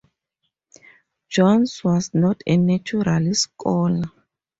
Johns was not a natural scholar.